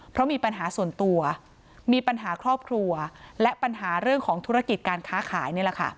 เพราะมีปัญหาส่วนตัวมีปัญหาครอบครัวและปัญหาเรื่องของธุรกิจการค้าขายนี่แหละค่ะ